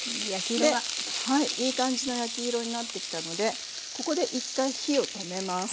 いい感じの焼き色になってきたのでここで一回火を止めます。